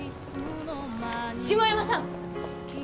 下山さん！